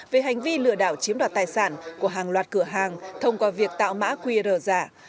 về hành vi lừa đảo chiếm đoạt tài sản của hàng loạt cửa hàng thông qua việc tạo mã qr giả